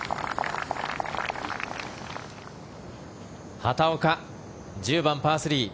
畑岡、１０番、パー３。